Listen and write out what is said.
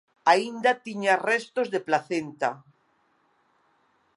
Aínda tiña restos de placenta.